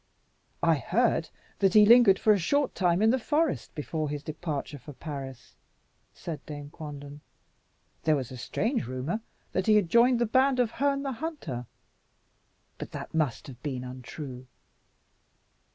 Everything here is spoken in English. "I heard that he lingered for a short time in the forest before his departure for Paris," said Dame Quanden. "There was a strange rumour that he had joined the band of Herne the Hunter. But that must have been untrue."